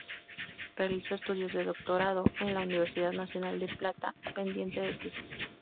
Realizó estudios de doctorado en la Universidad Nacional de La Plata, pendiente de tesis.